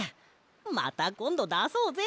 またこんどだそうぜ！